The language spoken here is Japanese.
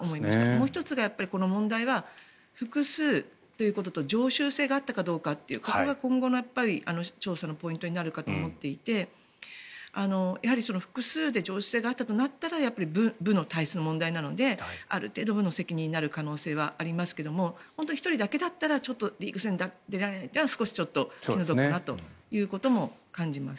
もう１つ、この問題は複数ということと常習性があったかどうかとここが今後の調査のポイントになると思っていてやはり、複数で常習性があったとしたら部の体質の問題なのである程度、部の責任になる可能性はありますけど１人だけだったらリーグ戦、出られないというのは少し気の毒かなということも感じます。